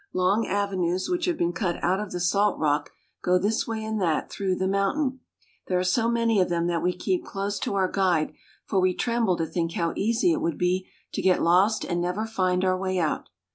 Long avenues, which have been cut out of the salt rock, go this way and that through the mountain. There are so many of them that we keep close to our guide, for we tremble to think how easy it would be to get lost and never find our way out.